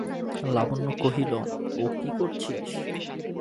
লাবণ্য কহিল, ও কী করছিস?